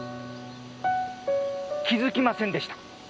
気づきませんでした。